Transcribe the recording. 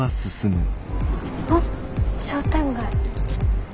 あ商店街。